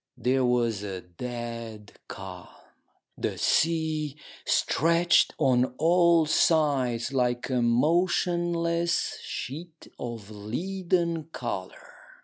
There was a dead calm. The sea stretched on all sides like a motionless sheet of leaden colour.